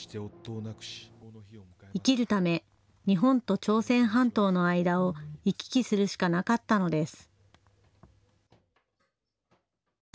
生きるため日本と朝鮮半島の間を行き来するしかなかったのです。